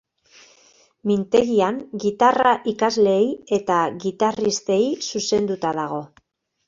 Mintegian gitarra ikasleei eta gitarristei zuzenduta dago.